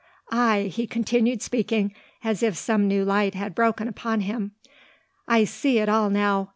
Ay," he continued speaking, as if some new light had broken upon him, "I see it all now.